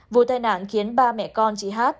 vụ tai nạn khiến ba mẹ con chị hát